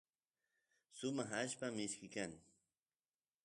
sumaq allpa mishki kan